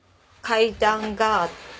階段があって。